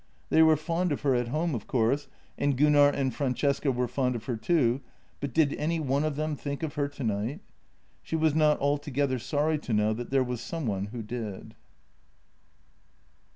They were fond of her at home, of course, and Gunnar and Francesca were fond of her too, but did any one of them think of her tonight? She was not altogether sorry to know that there was some one who did.